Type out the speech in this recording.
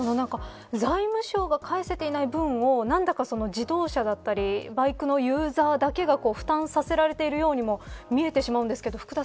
財務省が返せていない分を何だか、自動車だったりバイクのユーザーだけが負担させられているようにも見えてしまうんですけど福田